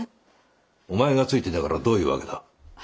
お前がついていながらどういう訳だ？